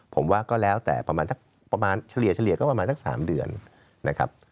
ผมว่าก็แล้วแต่ประมาณเฉลี่ยก็ประมาณสัก๓เดือนนะครับ